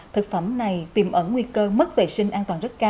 thực phẩm này tìm ẩn nguy cơ